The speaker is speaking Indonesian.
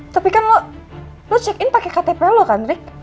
tapi kan lo cek in pake ktp lo kan rik